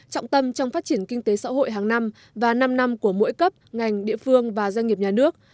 trọng tâm trong phát triển kinh tế xã hội hàng năm và năm năm của mỗi cấp ngành địa phương và doanh nghiệp nhà nước